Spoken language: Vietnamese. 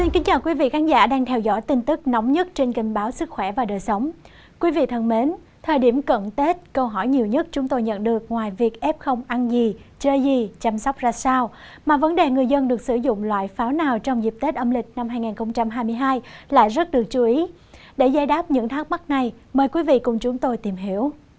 chào mừng quý vị đến với bộ phim hãy nhớ like share và đăng ký kênh của chúng mình nhé